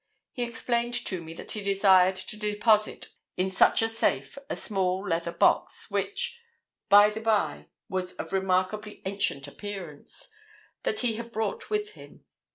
He explained to me that he desired to deposit in such a safe a small leather box—which, by the by, was of remarkably ancient appearance—that he had brought with him.